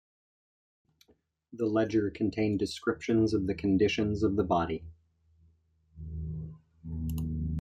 The ledger contained descriptions of the conditions of the body.